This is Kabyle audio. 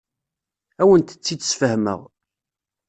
Ad awent-tt-id-sfehmeɣ.